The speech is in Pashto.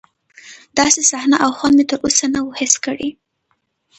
داسې صحنه او خوند مې تر اوسه نه و حس کړی.